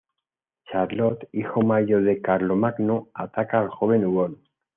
Charlot, hijo mayor de Carlomagno, ataca al joven Huon.